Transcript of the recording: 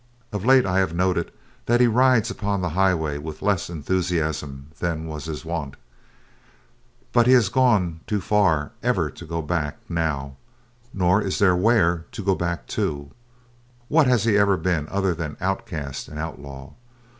Of late I have noted that he rides upon the highway with less enthusiasm than was his wont, but he has gone too far ever to go back now; nor is there where to go back to. What has he ever been other than outcast and outlaw?